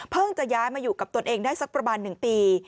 จะย้ายมาอยู่กับตนเองได้สักประมาณ๑ปี